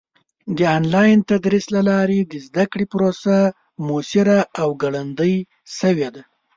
د آنلاین تدریس له لارې د زده کړې پروسه موثره او ګړندۍ شوې ده.